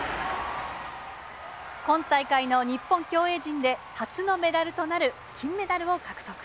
今大会の日本競泳陣で、初のメダルとなる金メダルを獲得。